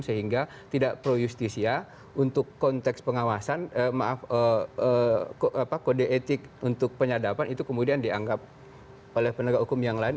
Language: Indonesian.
sehingga tidak pro justisia untuk konteks pengawasan maaf kode etik untuk penyadapan itu kemudian dianggap oleh penegak hukum yang lain